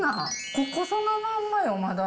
ここ、そのまんまよ、まだ。